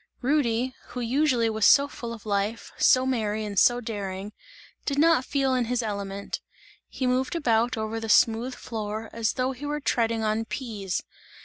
Rudy, who usually was so full of life, so merry and so daring, did not feel in his element; he moved about over the smooth floor as though he were treading on peas.